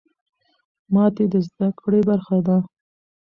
ماتې د زده کړې برخه ده.